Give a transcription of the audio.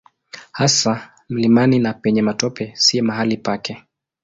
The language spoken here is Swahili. Hasa mlimani na penye matope si mahali pake.